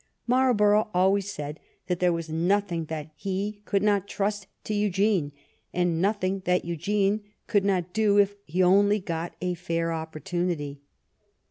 Marlborough always said that there was nothing that he could not trust to Eugene, and nothing that Eugene could not do if he only got a fair opportunity.